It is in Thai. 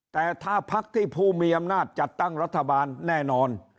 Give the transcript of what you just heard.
แต่ถ้าพักที่ผู้มีอำนาจจัดตั้งรัฐบาลแน่นอน